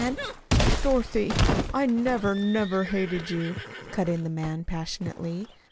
And " "Dorothy I never, never hated you!" cut in the man passionately.